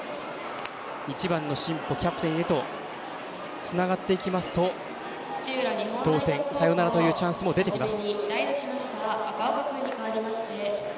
１番の新保、キャプテンへとつながっていきますと同点サヨナラというチャンスも出てきます。